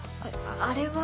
あれは。